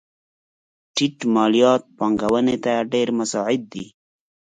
ټیټ مالیات پانګونې ته ډېر مساعد دي.